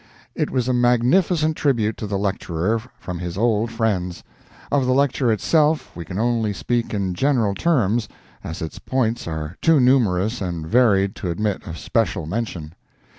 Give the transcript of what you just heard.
It was a magnificent tribute to the lecturer from his old friends. Of the lecture itself we can only speak in general terms as its points are too numerous and varied to admit of special mention.